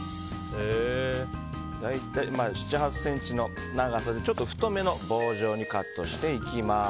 大体７８ｃｍの長さでちょっと太めの棒状にカットしていきます。